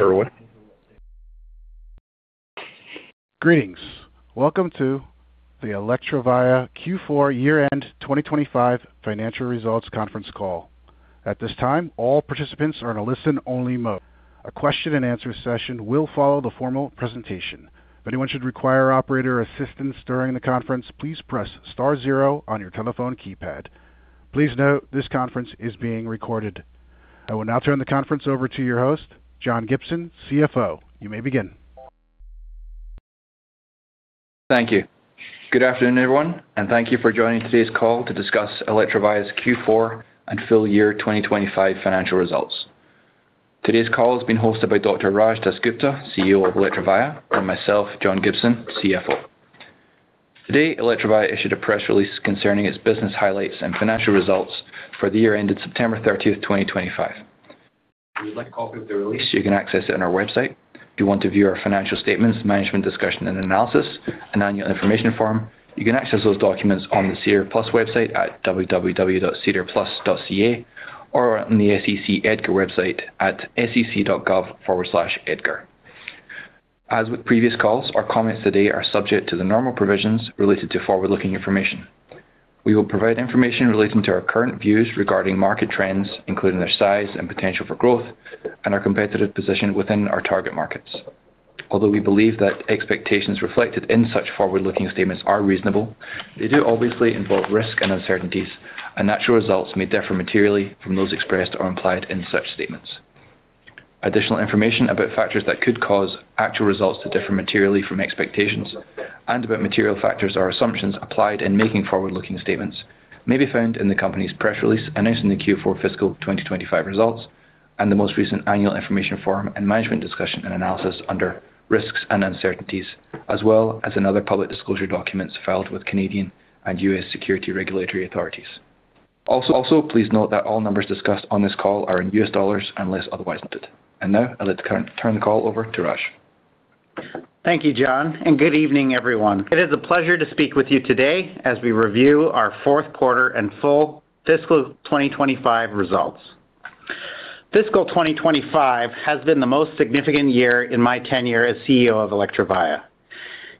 Everyone. Greetings. Welcome to the Electrovaya Q4 year-end 2025 financial results conference call. At this time, all participants are in a listen-only mode. A question-and-answer session will follow the formal presentation. If anyone should require operator assistance during the conference, please press star zero on your telephone keypad. Please note this conference is being recorded. I will now turn the conference over to your host, John Gibson, CFO. You may begin. Thank you. Good afternoon, everyone, and thank you for joining today's call to discuss Electrovaya's Q4 and full year 2025 financial results. Today's call is being hosted by Dr. Raj DasGupta, CEO of Electrovaya, and myself, John Gibson, CFO. Today, Electrovaya issued a press release concerning its business highlights and financial results for the year ended September 30th, 2025. We would like to offer you the release. You can access it on our website. If you want to view our financial statements, management's discussion and analysis, and annual information form, you can access those documents on the SEDAR+ website at www.sedarplus.ca or on the SEC EDGAR website at sec.gov/edgar. As with previous calls, our comments today are subject to the normal provisions related to forward-looking information. We will provide information relating to our current views regarding market trends, including their size and potential for growth, and our competitive position within our target markets. Although we believe that expectations reflected in such forward-looking statements are reasonable, they do obviously involve risk and uncertainties, and actual results may differ materially from those expressed or implied in such statements. Additional information about factors that could cause actual results to differ materially from expectations and about material factors or assumptions applied in making forward-looking statements may be found in the company's press release announcing the Q4 fiscal 2025 results and the most recent annual information form and management discussion and analysis under risks and uncertainties, as well as in other public disclosure documents filed with Canadian and U.S. securities regulatory authorities. Also, please note that all numbers discussed on this call are in U.S. dollars unless otherwise noted. Now, I'd like to turn the call over to Raj. Thank you, John, and good evening, everyone. It is a pleasure to speak with you today as we review our fourth quarter and full fiscal 2025 results. Fiscal 2025 has been the most significant year in my tenure as CEO of Electrovaya.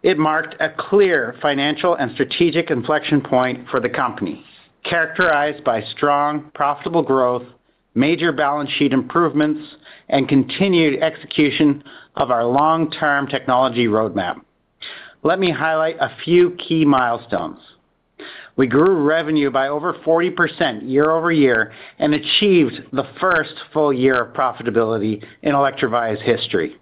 It marked a clear financial and strategic inflection point for the company, characterized by strong, profitable growth, major balance sheet improvements, and continued execution of our long-term technology roadmap. Let me highlight a few key milestones. We grew revenue by over 40% year over year and achieved the first full year of profitability in Electrovaya's history.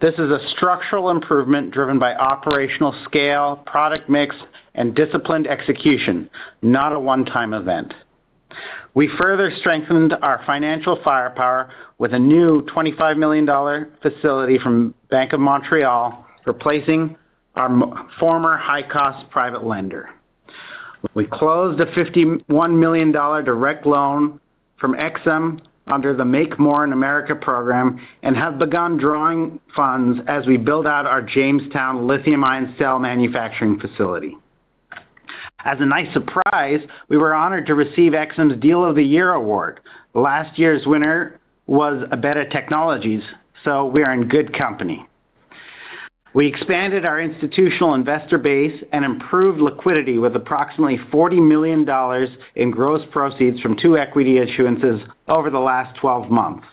This is a structural improvement driven by operational scale, product mix, and disciplined execution, not a one-time event. We further strengthened our financial firepower with a new $25 million facility from Bank of Montreal, replacing our former high-cost private lender. We closed a $51 million direct loan from EXIM under the Make More in America program and have begun drawing funds as we build out our Jamestown lithium-ion cell manufacturing facility. As a nice surprise, we were honored to receive EXIM's Deal of the Year award. Last year's winner was Beta Technologies, so we are in good company. We expanded our institutional investor base and improved liquidity with approximately $40 million in gross proceeds from two equity issuances over the last 12 months,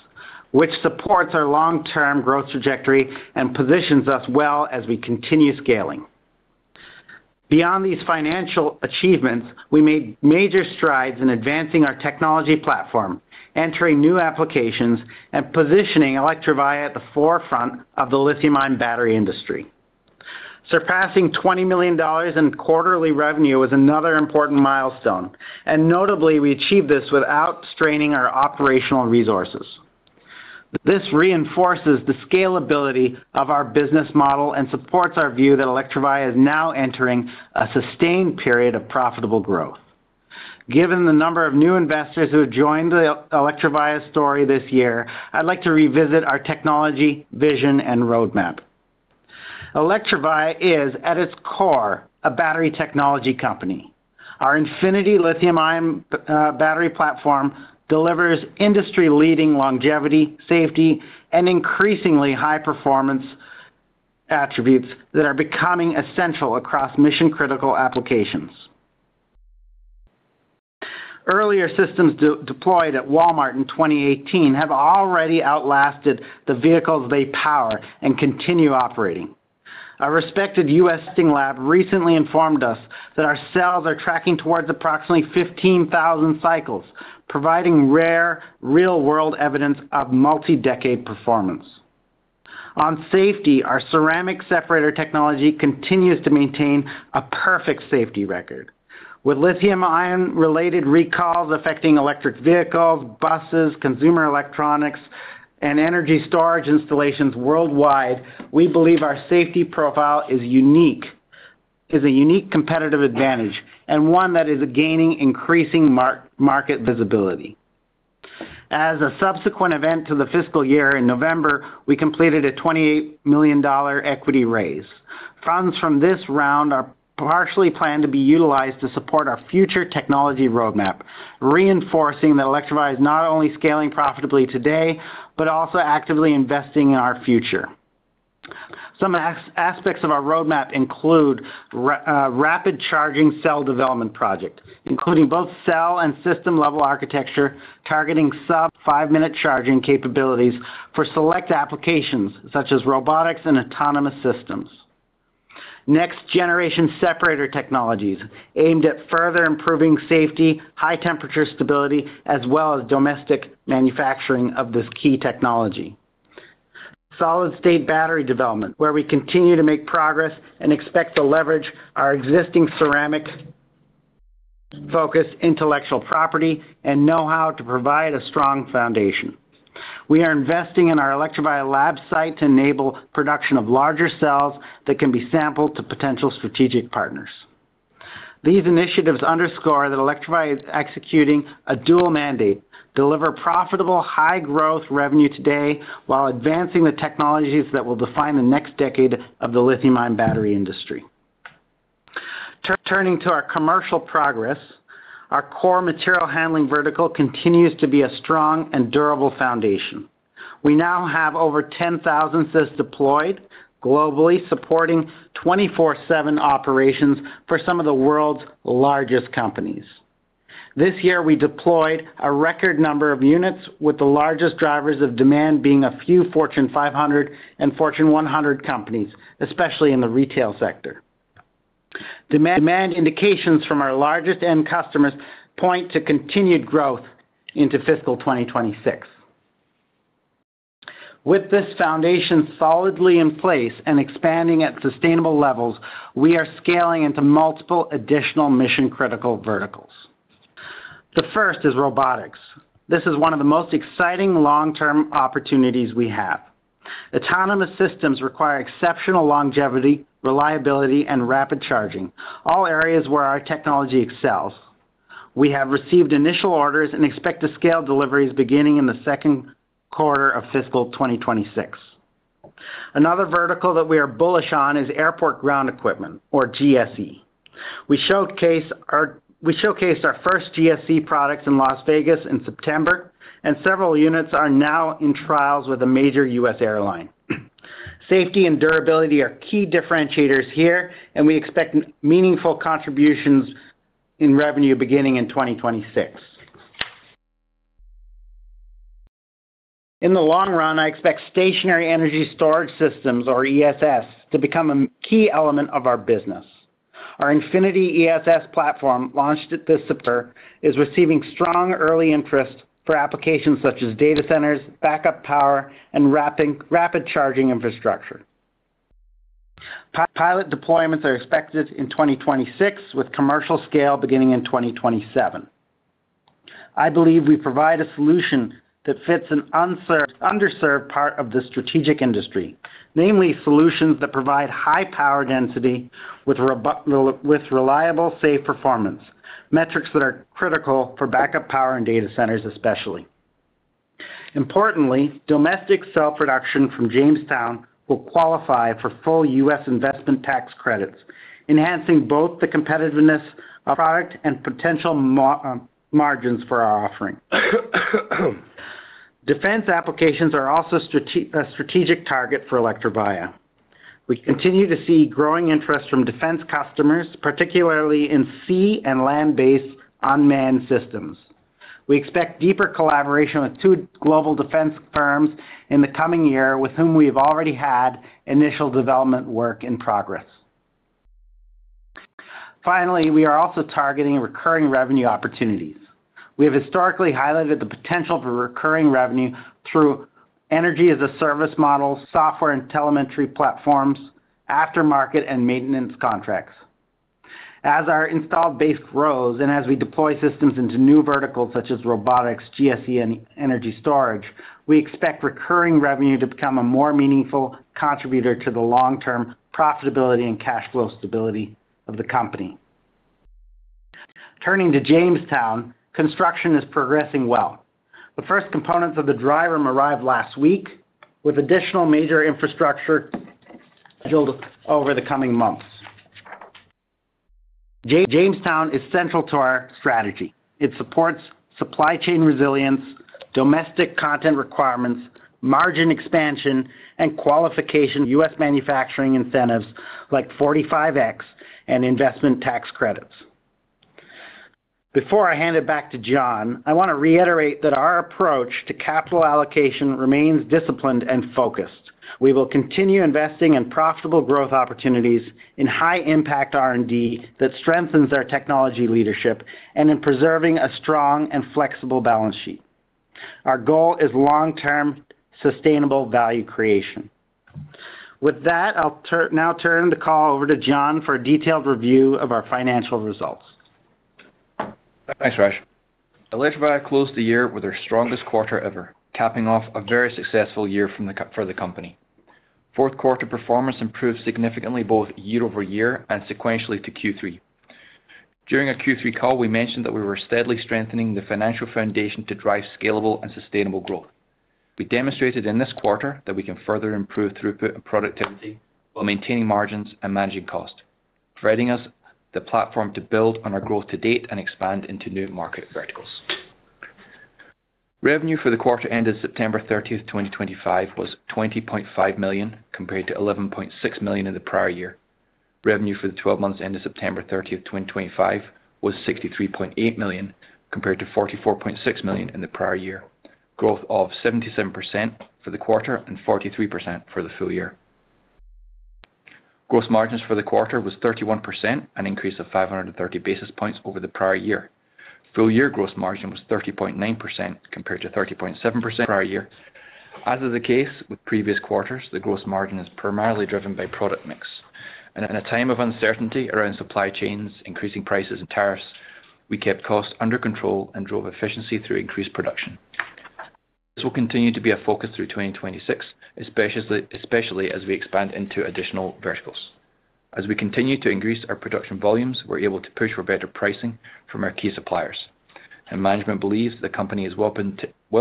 which supports our long-term growth trajectory and positions us well as we continue scaling. Beyond these financial achievements, we made major strides in advancing our technology platform, entering new applications, and positioning Electrovaya at the forefront of the lithium-ion battery industry. Surpassing $20 million in quarterly revenue was another important milestone, and notably, we achieved this without straining our operational resources. This reinforces the scalability of our business model and supports our view that Electrovaya is now entering a sustained period of profitable growth. Given the number of new investors who have joined the Electrovaya story this year, I'd like to revisit our technology vision and roadmap. Electrovaya is, at its core, a battery technology company. Our Infinity lithium-ion battery platform delivers industry-leading longevity, safety, and increasingly high-performance attributes that are becoming essential across mission-critical applications. Earlier, systems deployed at Walmart in 2018 have already outlasted the vehicles they power and continue operating. Our respected U.S. testing lab recently informed us that our cells are tracking towards approximately 15,000 cycles, providing rare real-world evidence of multi-decade performance. On safety, our ceramic separator technology continues to maintain a perfect safety record. With lithium-ion-related recalls affecting electric vehicles, buses, consumer electronics, and energy storage installations worldwide, we believe our safety profile is a unique competitive advantage and one that is gaining increasing market visibility. As a subsequent event to the fiscal year in November, we completed a $28 million equity raise. Funds from this round are partially planned to be utilized to support our future technology roadmap, reinforcing that Electrovaya is not only scaling profitably today but also actively investing in our future. Some aspects of our roadmap include a rapid charging cell development project, including both cell and system-level architecture targeting sub-five-minute charging capabilities for select applications such as robotics and autonomous systems. Next-generation separator technologies aimed at further improving safety, high-temperature stability, as well as domestic manufacturing of this key technology. Solid-state battery development, where we continue to make progress and expect to leverage our existing ceramic-focused intellectual property and know-how to provide a strong foundation. We are investing in our Electrovaya lab site to enable production of larger cells that can be sampled to potential strategic partners. These initiatives underscore that Electrovaya is executing a dual mandate: deliver profitable high-growth revenue today while advancing the technologies that will define the next decade of the lithium-ion battery industry. Turning to our commercial progress, our core material handling vertical continues to be a strong and durable foundation. We now have over 10,000 sets deployed globally, supporting 24/7 operations for some of the world's largest companies. This year, we deployed a record number of units, with the largest drivers of demand being a few Fortune 500 and Fortune 100 companies, especially in the retail sector. Demand indications from our largest-end customers point to continued growth into fiscal 2026. With this foundation solidly in place and expanding at sustainable levels, we are scaling into multiple additional mission-critical verticals. The first is robotics. This is one of the most exciting long-term opportunities we have. Autonomous systems require exceptional longevity, reliability, and rapid charging, all areas where our technology excels. We have received initial orders and expect to scale deliveries beginning in the second quarter of fiscal 2026. Another vertical that we are bullish on is airport ground equipment, or GSE. We showcased our first GSE products in Las Vegas in September, and several units are now in trials with a major U.S. airline. Safety and durability are key differentiators here, and we expect meaningful contributions in revenue beginning in 2026. In the long run, I expect stationary energy storage systems, or ESS, to become a key element of our business. Our Infinity ESS platform, launched this September, is receiving strong early interest for applications such as data centers, backup power, and rapid charging infrastructure. Pilot deployments are expected in 2026, with commercial scale beginning in 2027. I believe we provide a solution that fits an underserved part of the strategic industry, namely solutions that provide high power density with reliable, safe performance metrics that are critical for backup power and data centers, especially. Importantly, domestic cell production from Jamestown will qualify for full U.S. Investment Tax Credits, enhancing both the competitiveness of our product and potential margins for our offering. Defense applications are also a strategic target for Electrovaya. We continue to see growing interest from defense customers, particularly in sea and land-based unmanned systems. We expect deeper collaboration with two global defense firms in the coming year, with whom we have already had initial development work in progress. Finally, we are also targeting recurring revenue opportunities. We have historically highlighted the potential for recurring revenue through energy-as-a-service models, software and telemetry platforms, aftermarket, and maintenance contracts. As our installed base grows and as we deploy systems into new verticals such as robotics, GSE, and energy storage, we expect recurring revenue to become a more meaningful contributor to the long-term profitability and cash flow stability of the company. Turning to Jamestown, construction is progressing well. The first components of the drive arrived last week, with additional major infrastructure scheduled over the coming months. Jamestown is central to our strategy. It supports supply chain resilience, domestic content requirements, margin expansion, and qualification U.S. manufacturing incentives like 45X and Investment Tax Credits. Before I hand it back to John, I want to reiterate that our approach to capital allocation remains disciplined and focused. We will continue investing in profitable growth opportunities in high-impact R&D that strengthens our technology leadership and in preserving a strong and flexible balance sheet. Our goal is long-term sustainable value creation. With that, I'll now turn the call over to John for a detailed review of our financial results. Thanks, Raj. Electrovaya closed the year with our strongest quarter ever, capping off a very successful year for the company. Fourth quarter performance improved significantly both year over year and sequentially to Q3. During our Q3 call, we mentioned that we were steadily strengthening the financial foundation to drive scalable and sustainable growth. We demonstrated in this quarter that we can further improve throughput and productivity while maintaining margins and managing cost, providing us the platform to build on our growth to date and expand into new market verticals. Revenue for the quarter ended September 30th, 2025, was $20.5 million compared to $11.6 million in the prior year. Revenue for the 12 months ended September 30th, 2025, was $63.8 million compared to $44.6 million in the prior year, growth of 77% for the quarter and 43% for the full year. Gross margins for the quarter was 31%, an increase of 530 basis points over the prior year. Full year gross margin was 30.9% compared to 30.7% prior year. As is the case with previous quarters, the gross margin is primarily driven by product mix. In a time of uncertainty around supply chains, increasing prices, and tariffs, we kept costs under control and drove efficiency through increased production. This will continue to be a focus through 2026, especially as we expand into additional verticals. As we continue to increase our production volumes, we're able to push for better pricing from our key suppliers. Management believes the company is well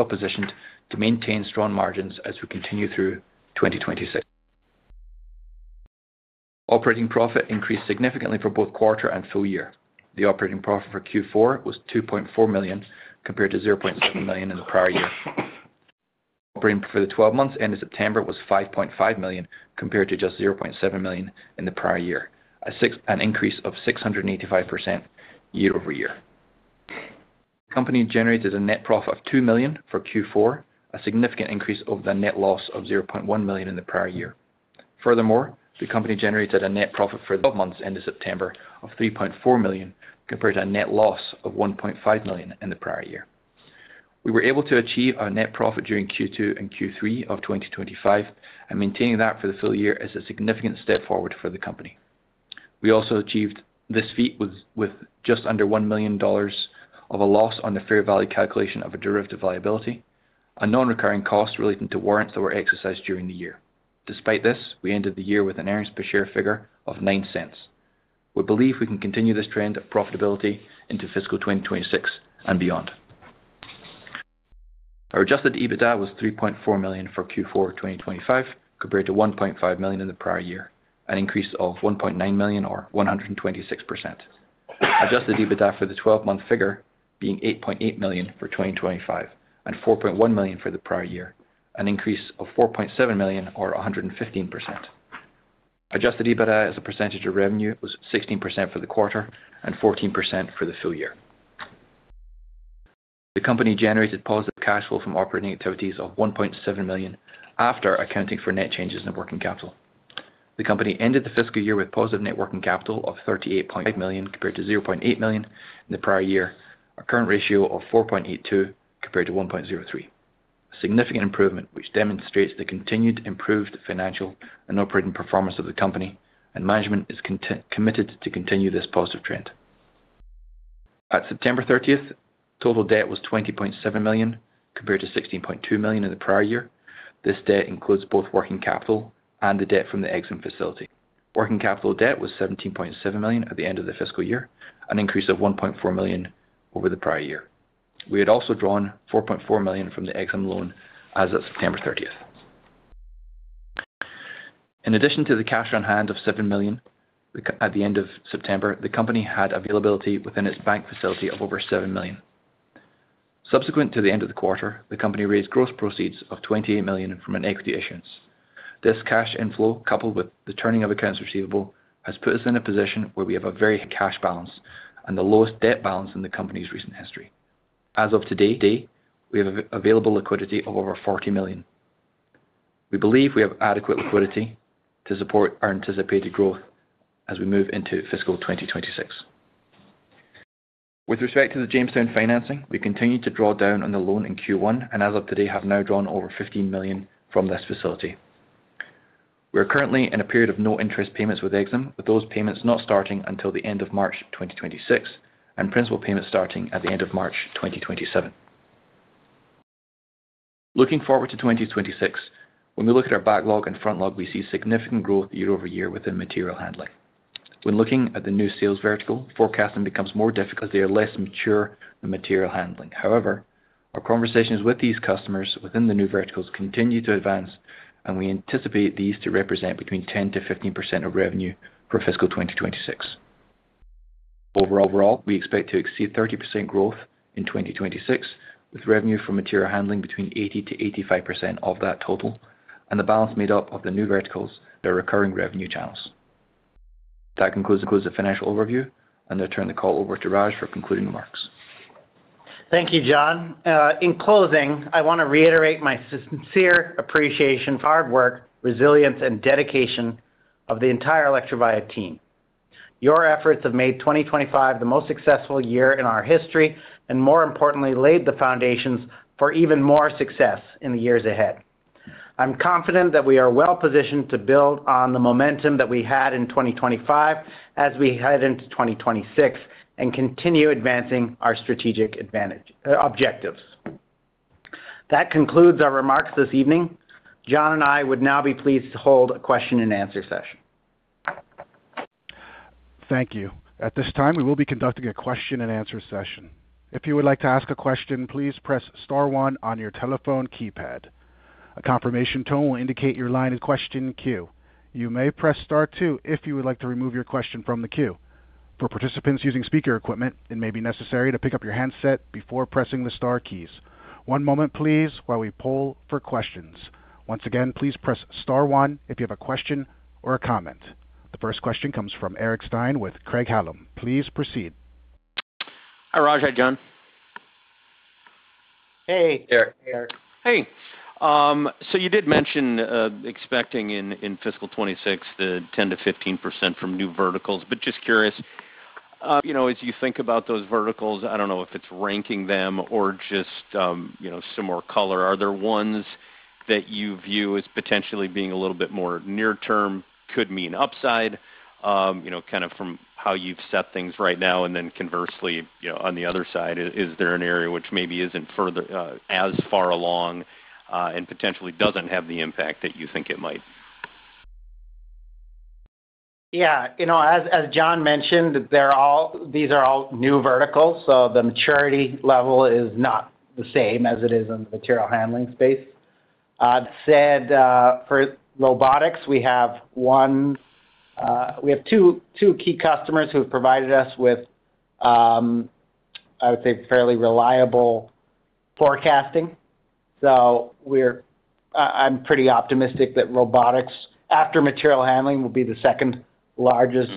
positioned to maintain strong margins as we continue through 2026. Operating profit increased significantly for both quarter and full year. The operating profit for Q4 was $2.4 million compared to $0.7 million in the prior year. Operating profit for the 12 months ended September was $5.5 million compared to just $0.7 million in the prior year, an increase of 685% year over year. The company generated a net profit of $2 million for Q4, a significant increase over the net loss of $0.1 million in the prior year. Furthermore, the company generated a net profit for 12 months ended September of $3.4 million compared to a net loss of $1.5 million in the prior year. We were able to achieve our net profit during Q2 and Q3 of 2025, and maintaining that for the full year is a significant step forward for the company. We also achieved this feat with just under $1 million of a loss on the fair value calculation of a derivative liability, a non-recurring cost relating to warrants that were exercised during the year. Despite this, we ended the year with an earnings per share figure of $0.09. We believe we can continue this trend of profitability into fiscal 2026 and beyond. Our adjusted EBITDA was $3.4 million for Q4 2025 compared to $1.5 million in the prior year, an increase of $1.9 million, or 126%. Adjusted EBITDA for the 12-month figure being $8.8 million for 2025 and $4.1 million for the prior year, an increase of $4.7 million, or 115%. Adjusted EBITDA as a percentage of revenue was 16% for the quarter and 14% for the full year. The company generated positive cash flow from operating activities of $1.7 million after accounting for net changes in working capital. The company ended the fiscal year with positive net working capital of $38.5 million compared to $0.8 million in the prior year, a current ratio of 4.82 compared to 1.03, a significant improvement which demonstrates the continued improved financial and operating performance of the company, and management is committed to continue this positive trend. At September 30th, total debt was $20.7 million compared to $16.2 million in the prior year. This debt includes both working capital and the debt from the EXIM facility. Working capital debt was $17.7 million at the end of the fiscal year, an increase of $1.4 million over the prior year. We had also drawn $4.4 million from the EXIM loan as of September 30th. In addition to the cash on hand of $7 million at the end of September, the company had availability within its bank facility of over $7 million. Subsequent to the end of the quarter, the company raised gross proceeds of $28 million from an equity issuance. This cash inflow, coupled with the turning of accounts receivable, has put us in a position where we have a very high cash balance and the lowest debt balance in the company's recent history. As of today, we have available liquidity of over $40 million. We believe we have adequate liquidity to support our anticipated growth as we move into fiscal 2026. With respect to the Jamestown financing, we continue to draw down on the loan in Q1 and, as of today, have now drawn over $15 million from this facility. We are currently in a period of no interest payments with EXIM, with those payments not starting until the end of March 2026 and principal payments starting at the end of March 2027. Looking forward to 2026, when we look at our backlog and frontlog, we see significant growth year over year within material handling. When looking at the new sales vertical, forecasting becomes more difficult as they are less mature than material handling. However, our conversations with these customers within the new verticals continue to advance, and we anticipate these to represent between 10%-15% of revenue for fiscal 2026. Overall, we expect to exceed 30% growth in 2026, with revenue from material handling between 80%-85% of that total and the balance made up of the new verticals that are recurring revenue channels. That concludes the financial overview, and I turn the call over to Raj for concluding remarks. Thank you, John. In closing, I want to reiterate my sincere appreciation for the hard work, resilience, and dedication of the entire Electrovaya team. Your efforts have made 2025 the most successful year in our history and, more importantly, laid the foundations for even more success in the years ahead. I'm confident that we are well positioned to build on the momentum that we had in 2025 as we head into 2026 and continue advancing our strategic objectives. That concludes our remarks this evening. John and I would now be pleased to hold a question-and-answer session. Thank you. At this time, we will be conducting a question-and-answer session. If you would like to ask a question, please press Star 1 on your telephone keypad. A confirmation tone will indicate your line is in the question queue. You may press Star 2 if you would like to remove your question from the queue. For participants using speaker equipment, it may be necessary to pick up your handset before pressing the Star keys. One moment, please, while we poll for questions. Once again, please press Star 1 if you have a question or a comment. The first question comes from Eric Stine with Craig-Hallum. Please proceed. Hi, Raj. Hi, John. Hey, Eric. Hey. So you did mention expecting in fiscal 2026 the 10%-15% from new verticals, but just curious, as you think about those verticals, I don't know if it's ranking them or just some more color. Are there ones that you view as potentially being a little bit more near-term, could mean upside, kind of from how you've set things right now? And then conversely, on the other side, is there an area which maybe isn't as far along and potentially doesn't have the impact that you think it might? Yeah. As John mentioned, these are all new verticals, so the maturity level is not the same as it is in the material handling space. That said, for robotics, we have two key customers who have provided us with, I would say, fairly reliable forecasting. So I'm pretty optimistic that robotics, after material handling, will be the second largest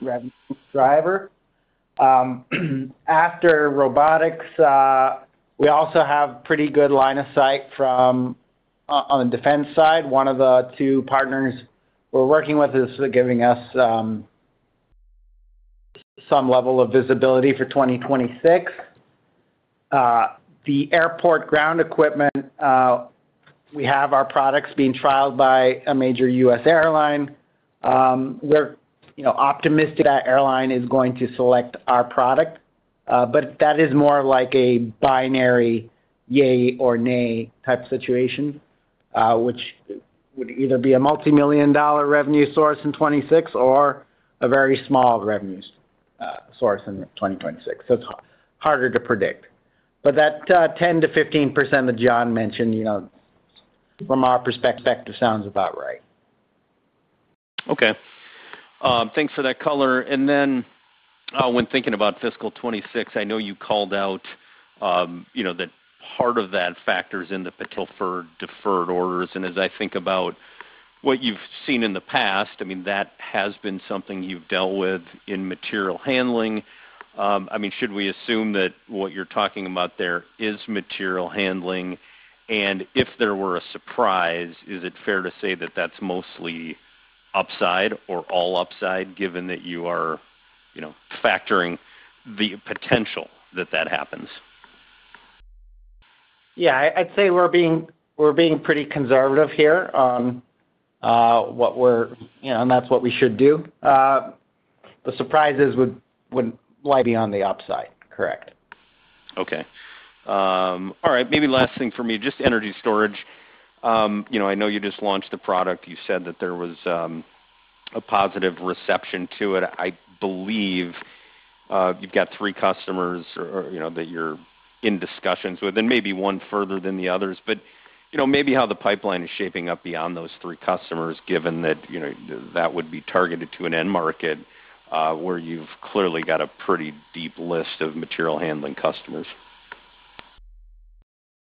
revenue driver. After robotics, we also have pretty good line of sight on the defense side. One of the two partners we're working with is giving us some level of visibility for 2026. The airport ground equipment, we have our products being trialed by a major U.S. airline. We're optimistic that airline is going to select our product, but that is more like a binary yay or nay type situation, which would either be a multi-million-dollar revenue source in 2026 or a very small revenue source in 2026. So it's harder to predict. But that 10%-15% that John mentioned, from our perspective, sounds about right. Okay. Thanks for that color. And then when thinking about fiscal 2026, I know you called out that part of that factors in the deferred orders. And as I think about what you've seen in the past, I mean, that has been something you've dealt with in material handling. I mean, should we assume that what you're talking about there is material handling? And if there were a surprise, is it fair to say that that's mostly upside or all upside, given that you are factoring the potential that that happens? Yeah. I'd say we're being pretty conservative here on what we're, and that's what we should do. The surprises would lie beyond the upside. Correct. Okay. All right. Maybe last thing for me, just energy storage. I know you just launched the product. You said that there was a positive reception to it. I believe you've got three customers that you're in discussions with and maybe one further than the others. But maybe how the pipeline is shaping up beyond those three customers, given that that would be targeted to an end market where you've clearly got a pretty deep list of material handling customers?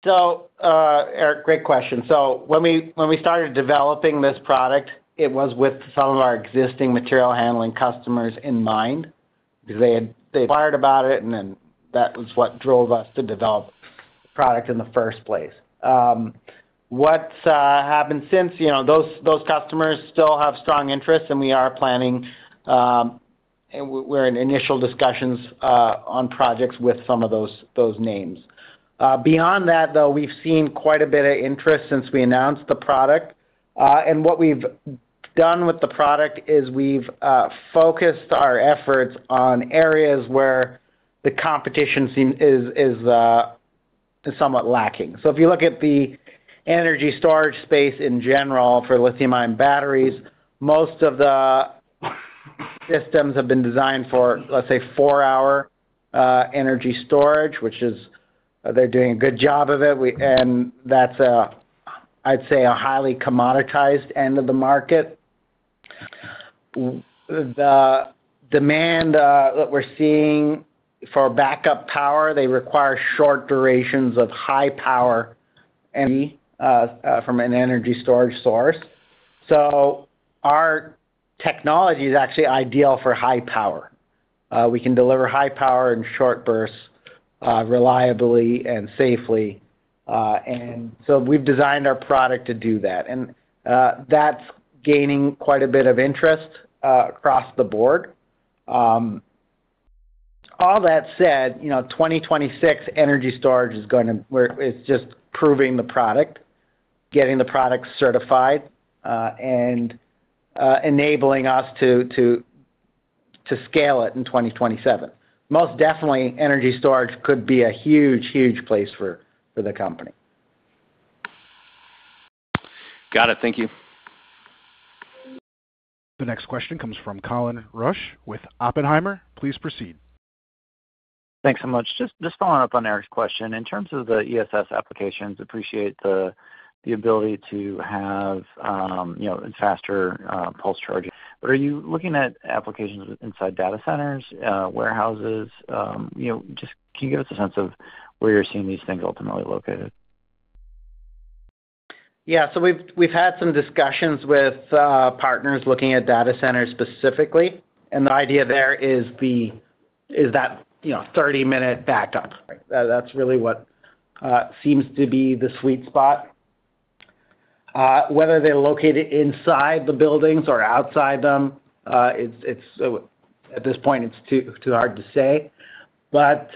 So, Eric, great question. So when we started developing this product, it was with some of our existing material handling customers in mind because they had inquired about it, and then that was what drove us to develop the product in the first place. What's happened since? Those customers still have strong interests, and we are planning, we're in initial discussions on projects with some of those names. Beyond that, though, we've seen quite a bit of interest since we announced the product. And what we've done with the product is we've focused our efforts on areas where the competition is somewhat lacking. So if you look at the energy storage space in general for lithium-ion batteries, most of the systems have been designed for, let's say, four-hour energy storage, which they're doing a good job of it. And that's, I'd say, a highly commoditized end of the market. The demand that we're seeing for backup power. They require short durations of high power energy from an energy storage source, so our technology is actually ideal for high power. We can deliver high power in short bursts reliably and safely, and so we've designed our product to do that, and that's gaining quite a bit of interest across the board. All that said, 2026 energy storage is just proving the product, getting the product certified, and enabling us to scale it in 2027. Most definitely, energy storage could be a huge, huge place for the company. Got it. Thank you. The next question comes from Colin Rusch with Oppenheimer. Please proceed. Thanks so much. Just following up on Eric's question. In terms of the ESS applications, I appreciate the ability to have faster pulse charging. But are you looking at applications inside data centers, warehouses? Just can you give us a sense of where you're seeing these things ultimately located? Yeah, so we've had some discussions with partners looking at data centers specifically, and the idea there is that 30-minute backup. That's really what seems to be the sweet spot. Whether they're located inside the buildings or outside them, at this point, it's too hard to say, but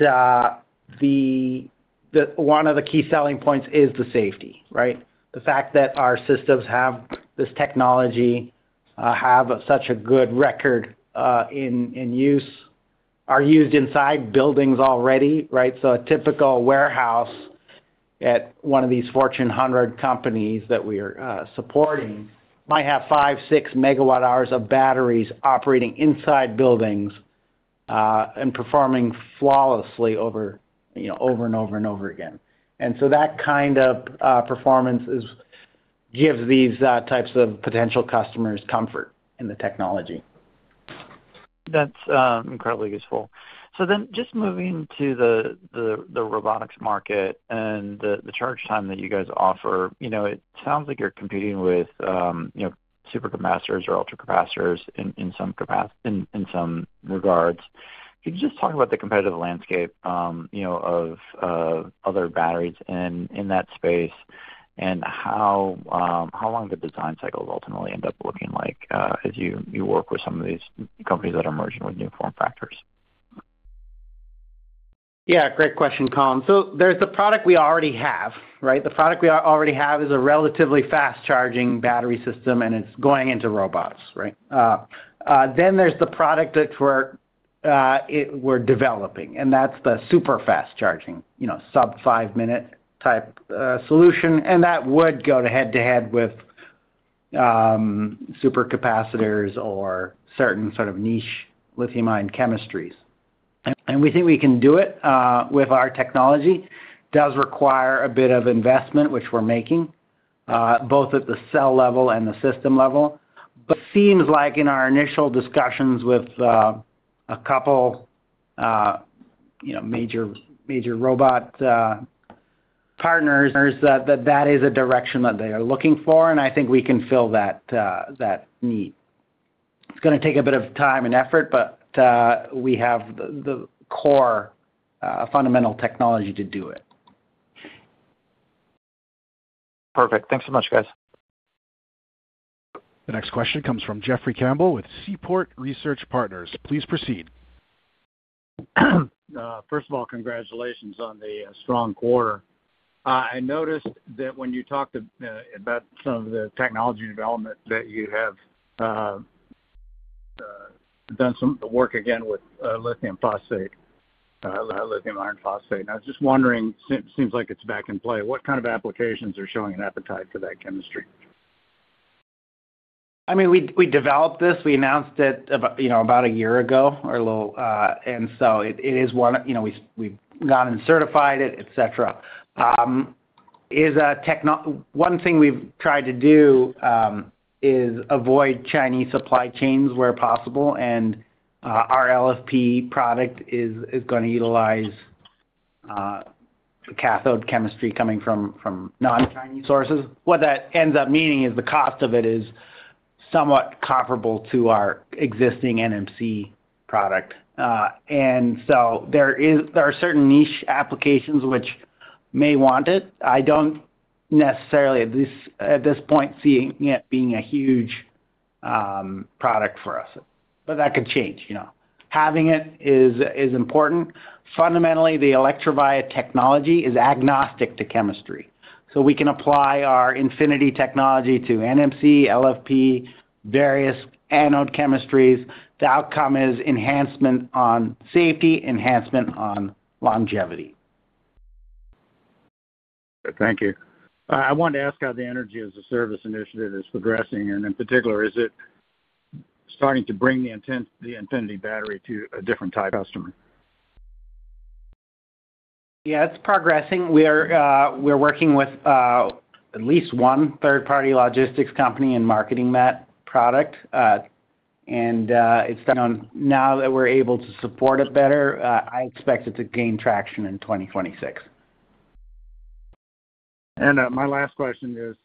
one of the key selling points is the safety, right? The fact that our systems have this technology, have such a good record in use, are used inside buildings already, right, so a typical warehouse at one of these Fortune 100 companies that we are supporting might have five, six megawatt-hours of batteries operating inside buildings and performing flawlessly over and over and over again, and so that kind of performance gives these types of potential customers comfort in the technology. That's incredibly useful. So then just moving to the robotics market and the charge time that you guys offer, it sounds like you're competing with supercapacitors or ultracapacitors in some regards. Can you just talk about the competitive landscape of other batteries in that space and how long the design cycles ultimately end up looking like as you work with some of these companies that are emerging with new form factors? Yeah. Great question, Colin. So there's the product we already have, right? The product we already have is a relatively fast-charging battery system, and it's going into robots, right? Then there's the product that we're developing, and that's the super fast-charging sub-five-minute type solution. And that would go head-to-head with supercapacitors or certain sort of niche lithium-ion chemistries. And we think we can do it with our technology. It does require a bit of investment, which we're making, both at the cell level and the system level. But it seems like in our initial discussions with a couple of major robot partners, that that is a direction that they are looking for, and I think we can fill that need. It's going to take a bit of time and effort, but we have the core fundamental technology to do it. Perfect. Thanks so much, guys. The next question comes from Jeffrey Campbell with Seaport Research Partners. Please proceed. First of all, congratulations on the strong quarter. I noticed that when you talked about some of the technology development that you have done some of the work again with lithium phosphate, lithium iron phosphate, and I was just wondering, it seems like it's back in play. What kind of applications are showing an appetite for that chemistry? I mean, we developed this. We announced it about a year ago or a little, and so it is one we've gone and certified it, etc. One thing we've tried to do is avoid Chinese supply chains where possible, and our LFP product is going to utilize cathode chemistry coming from non-Chinese sources. What that ends up meaning is the cost of it is somewhat comparable to our existing NMC product, and so there are certain niche applications which may want it. I don't necessarily, at this point, see it being a huge product for us, but that could change. Having it is important. Fundamentally, the Electrovaya technology is agnostic to chemistry, so we can apply our Infinity technology to NMC, LFP, various anode chemistries. The outcome is enhancement on safety, enhancement on longevity. Thank you. I wanted to ask how the Energy as a Service initiative is progressing, and in particular, is it starting to bring the Infinity battery to a different type customer? Yeah. It's progressing. We're working with at least one third-party logistics company in marketing that product, and now that we're able to support it better, I expect it to gain traction in 2026. And my last question is,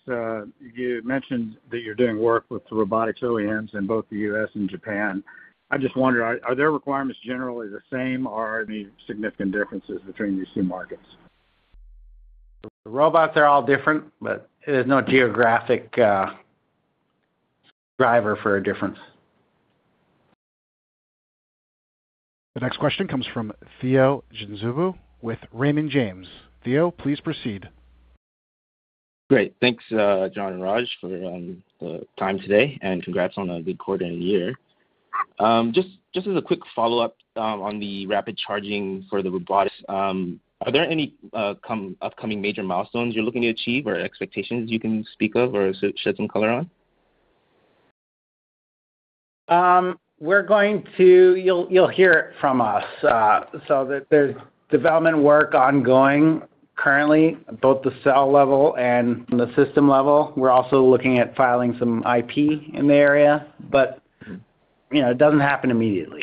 you mentioned that you're doing work with robotics OEMs in both the U.S. and Japan. I just wondered, are their requirements generally the same, or are there any significant differences between these two markets? The robots are all different, but there's no geographic driver for a difference. The next question comes from Theo Genzebu with Raymond James. Theo, please proceed. Great. Thanks, John and Raj, for the time today. And congrats on a good quarter and year. Just as a quick follow-up on the rapid charging for the robotics, are there any upcoming major milestones you're looking to achieve or expectations you can speak of or shed some color on? You'll hear it from us. So there's development work ongoing currently, both the cell level and the system level. We're also looking at filing some IP in the area, but it doesn't happen immediately.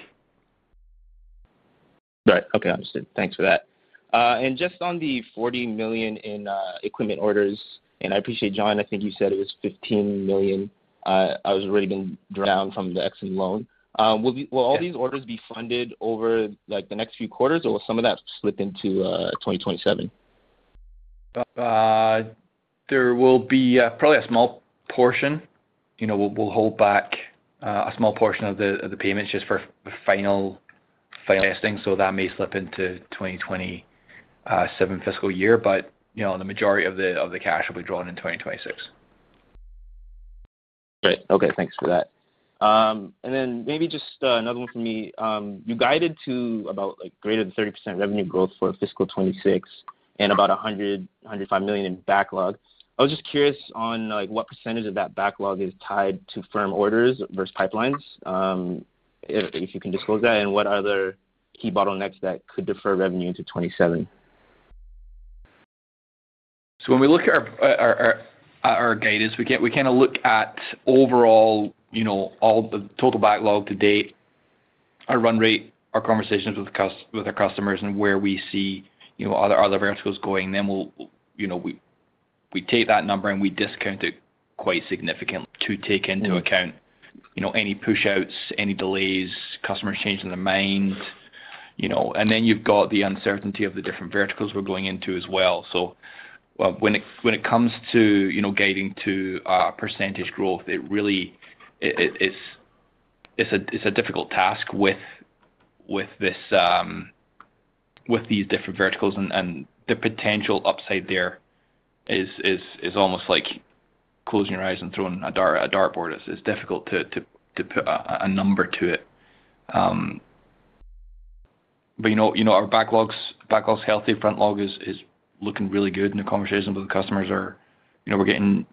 Right. Okay. Understood. Thanks for that, and just on the $40 million in equipment orders, and I appreciate, John, I think you said it was $15 million already being drawn down from the EXIM loan. Will all these orders be funded over the next few quarters, or will some of that slip into 2027? There will be probably a small portion. We'll hold back a small portion of the payments just for final testing. So that may slip into 2027 fiscal year, but the majority of the cash will be drawn in 2026. Great. Okay. Thanks for that. And then maybe just another one from me. You guided to about greater than 30% revenue growth for fiscal 2026 and about $100-$105 million in backlog. I was just curious on what percentage of that backlog is tied to firm orders versus pipelines, if you can disclose that, and what other key bottlenecks that could defer revenue into 2027? So when we look at our guidance, we kind of look at overall, all the total backlog to date, our run rate, our conversations with our customers, and where we see other variables going. Then we take that number and we discount it quite significantly to take into account any push-outs, any delays, customer change of their mind. And then you've got the uncertainty of the different verticals we're going into as well. So when it comes to guiding to percentage growth, it really is a difficult task with these different verticals. And the potential upside there is almost like closing your eyes and throwing a dartboard. It's difficult to put a number to it. But our backlog's healthy. Front log is looking really good, and the conversations with the customers are. We're getting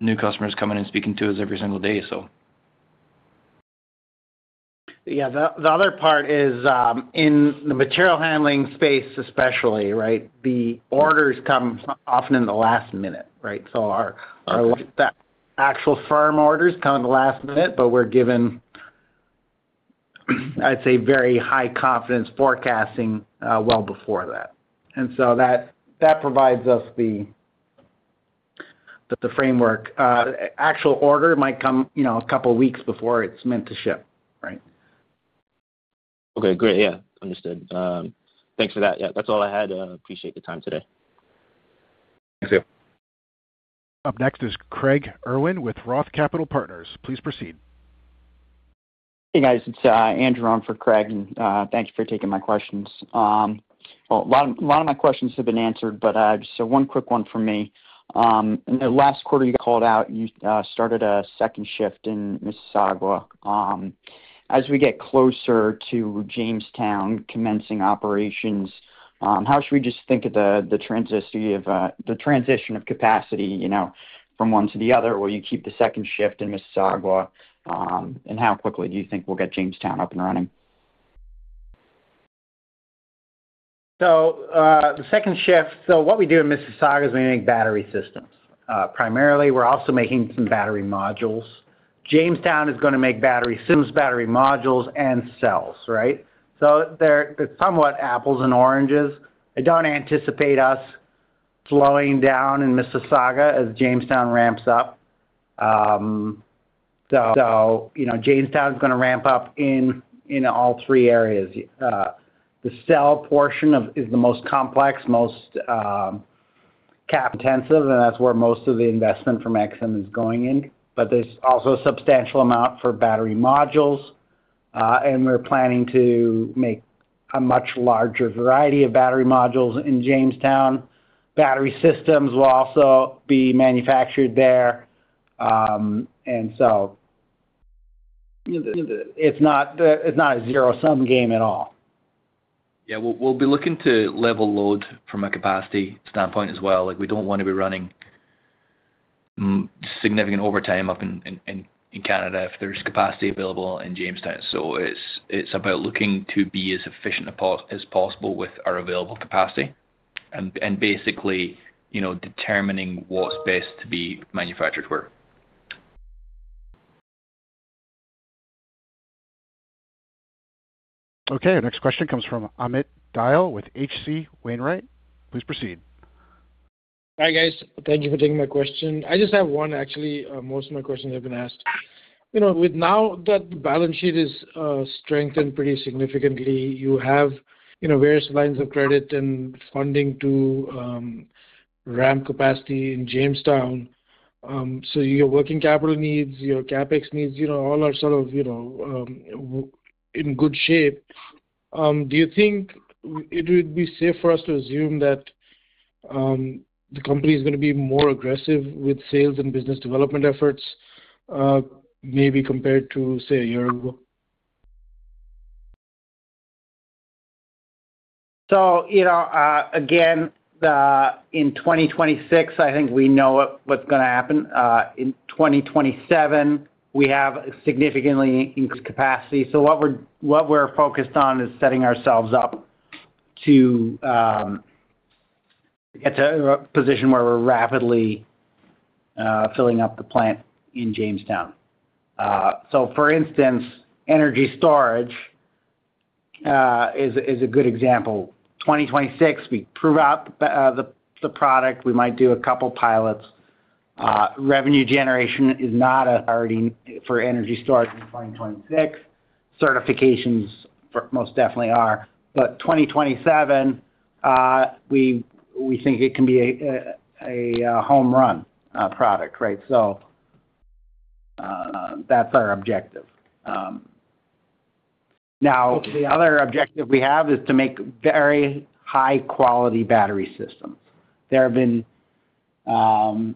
new customers coming and speaking to us every single day, so. Yeah. The other part is in the material handling space, especially, right? The orders come often in the last minute, right? So that actual firm orders come in the last minute, but we're given, I'd say, very high confidence forecasting well before that. And so that provides us the framework. Actual order might come a couple of weeks before it's meant to ship, right? Okay. Great. Yeah. Understood. Thanks for that. Yeah. That's all I had. Appreciate the time today. Thanks, Theo. Up next is Craig Irwin with Roth Capital Partners. Please proceed. Hey, guys. It's Andrew on for Craig, and thanks for taking my questions. A lot of my questions have been answered, but just one quick one for me. In the last quarter you called out, you started a second shift in Mississauga. As we get closer to Jamestown commencing operations, how should we just think of the transition of capacity from one to the other? Will you keep the second shift in Mississauga, and how quickly do you think we'll get Jamestown up and running? So the second shift, so what we do in Mississauga is we make battery systems. Primarily, we're also making some battery modules. Jamestown is going to make battery systems, battery modules, and cells, right? So it's somewhat apples and oranges. I don't anticipate us slowing down in Mississauga as Jamestown ramps up. So Jamestown is going to ramp up in all three areas. The cell portion is the most complex, most cap intensive, and that's where most of the investment from EXIM is going in. But there's also a substantial amount for battery modules, and we're planning to make a much larger variety of battery modules in Jamestown. Battery systems will also be manufactured there. And so it's not a zero-sum game at all. Yeah. We'll be looking to level load from a capacity standpoint as well. We don't want to be running significant overtime up in Canada if there's capacity available in Jamestown. So it's about looking to be as efficient as possible with our available capacity and basically determining what's best to be manufactured for. Okay. Next question comes from Amit Dayal with H.C. Wainwright. Please proceed. Hi, guys. Thank you for taking my question. I just have one, actually. Most of my questions have been asked. Now that the balance sheet is strengthened pretty significantly, you have various lines of credit and funding to ramp capacity in Jamestown, so your working capital needs, your CapEx needs, all are sort of in good shape. Do you think it would be safe for us to assume that the company is going to be more aggressive with sales and business development efforts maybe compared to, say, a year ago? So again, in 2026, I think we know what's going to happen. In 2027, we have significantly increased capacity. So what we're focused on is setting ourselves up to get to a position where we're rapidly filling up the plant in Jamestown. So for instance, energy storage is a good example. 2026, we prove out the product. We might do a couple of pilots. Revenue generation is not a priority for energy storage in 2026. Certifications most definitely are. But 2027, we think it can be a home run product, right? So that's our objective. Now, the other objective we have is to make very high-quality battery systems. There have been competitors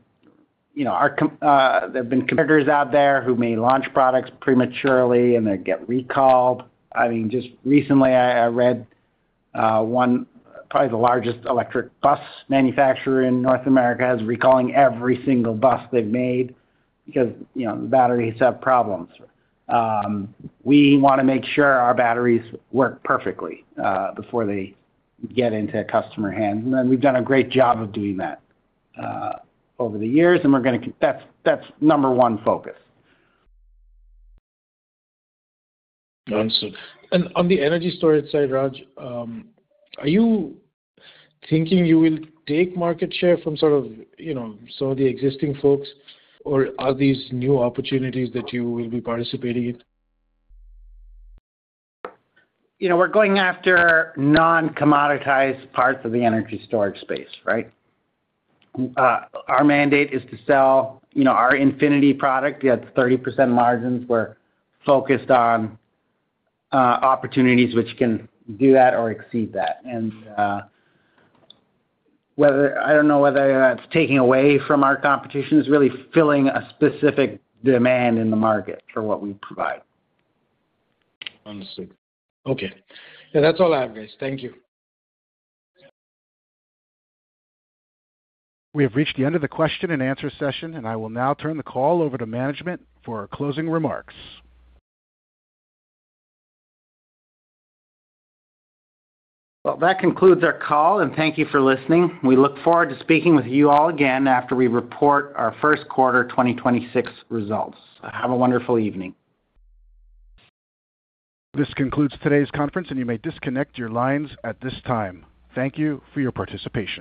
out there who may launch products prematurely, and they get recalled. I mean, just recently, I read one, probably the largest electric bus manufacturer in North America is recalling every single bus they've made because the batteries have problems. We want to make sure our batteries work perfectly before they get into customer hands, and then we've done a great job of doing that over the years, and that's number one focus. Understood. And on the energy storage side, Raj, are you thinking you will take market share from sort of some of the existing folks, or are these new opportunities that you will be participating in? We're going after non-commoditized parts of the energy storage space, right? Our mandate is to sell our Infinity product at 30% margins. We're focused on opportunities which can do that or exceed that. And I don't know whether that's taking away from our competition, it's really filling a specific demand in the market for what we provide. Understood. Okay. Yeah, that's all I have, guys. Thank you. We have reached the end of the question and answer session, and I will now turn the call over to management for closing remarks. That concludes our call, and thank you for listening. We look forward to speaking with you all again after we report our first quarter 2026 results. Have a wonderful evening. This concludes today's conference, and you may disconnect your lines at this time. Thank you for your participation.